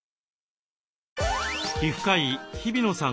皮膚科医日比野さん